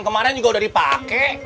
kemaren juga udah dipake